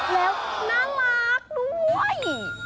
แล้วน่ารักด้วย